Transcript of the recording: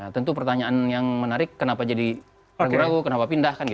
tentu pertanyaan yang menarik kenapa jadi ragu ragu kenapa pindah kan gitu